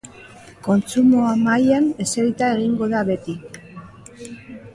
Kontsumoa mahaian eserita egingo da beti.